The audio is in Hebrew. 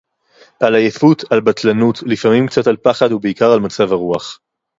עַל עֲיֵפוּת, עַל בַּטְלָנוּת, לַפְּעָמִים קְצָת עַל פַּחַד וּבֶעָקָר עַל מַצַּב הָרוּחַ